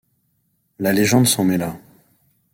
La légende s’en mêla.